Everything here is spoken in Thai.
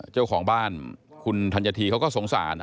เจ้าของบ้านคุณทัณยทีก็สงสาร